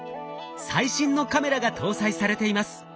最新のカメラが搭載されています。